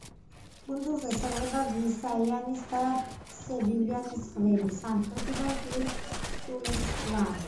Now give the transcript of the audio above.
კუნძულს ესაზღვრება: ვისაიანის და სიბუიანის ზღვები, სამხრეთიდან კი სულუს ზღვა.